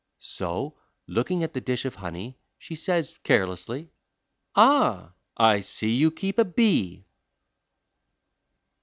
So, looking at the dish of honey, she says carelessly: "Ah, I see you keep a bee."